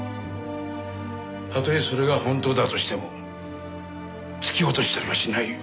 たとえそれが本当だとしても突き落としたりはしないよ。